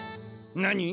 なに？